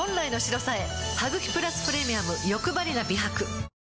「ハグキプラスプレミアムよくばりな美白」